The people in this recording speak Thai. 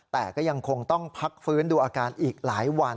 แต่ก็ยังคงต้องพักฟื้นดูอาการอีกหลายวัน